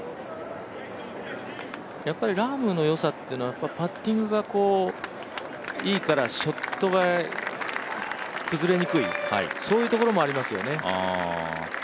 ラームの良さっていうのはパッティングがいいからショットが崩れにくい、そういうところもありますよね。